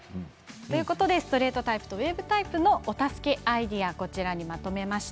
ストレートタイプとウエーブタイプのお助けアイテムはこちらにまとめました。